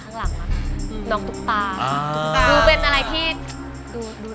ข้างหลักน่ะน้องตุ๊กตาตุ๊กตาเป็นอะไรที่ดูดู